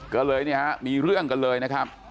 ก็เลยเนี่ยฮะมีเรื่องกันเลยนะครับ